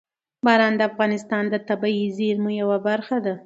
باران د افغانستان د طبیعي زیرمو یوه برخه ده.